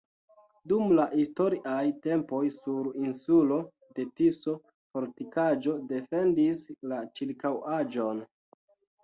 Dum la historiaj tempoj sur insulo de Tiso fortikaĵo defendis la ĉirkaŭaĵon.